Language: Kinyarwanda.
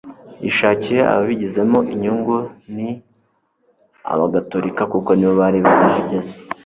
yishakiye. ababigizemo inyungu ni abagatolika kuko nibo bari barahageze